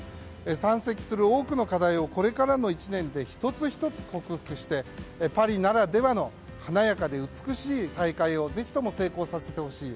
山積する多くの課題をこれからの１年で１つ１つ克服してパリならではの華やかで美しい大会をぜひとも成功させてほしい。